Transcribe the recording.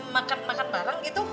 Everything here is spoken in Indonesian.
makan bareng gitu